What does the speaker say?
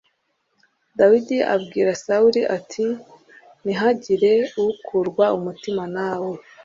Dawidi abwira Sawuli ati “Ntihagire ukurwa umutima na we